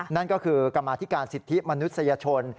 นั่นก็คือกรรมาธิการสิทธิมนุษยชน